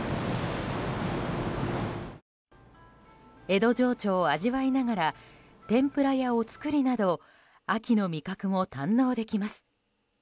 江戸情緒を味わいながら天ぷらやお造りなど秋の味覚も堪能できます。